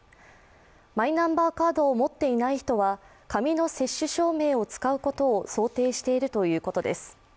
マイナンバーカードを持っていない人は紙の接種証明を使うことを想定しているということです。